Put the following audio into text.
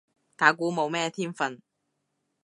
打鼓冇咩天份